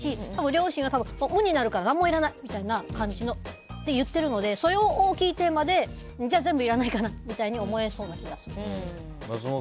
両親は、無になるから何もいらないみたいに言っているので、それを聞いてじゃあ全部いらないかなみたいに思えそうな気がする。